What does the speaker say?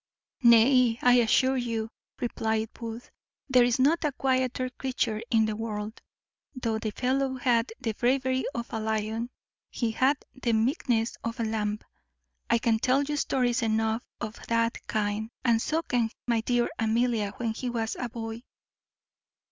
"Nay, I assure you," replied Booth, "there is not a quieter creature in the world. Though the fellow hath the bravery of a lion, he hath the meekness of a lamb. I can tell you stories enow of that kind, and so can my dear Amelia, when he was a boy."